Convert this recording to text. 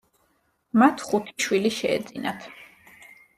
მათ ხუთი შვილი შეეძინათ.